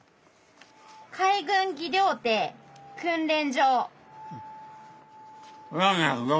「海軍技療手訓練所」。